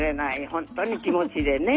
本当に気持ちでね。